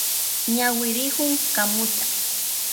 Ñawirikun kamuta.